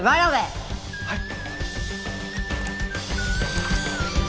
はい。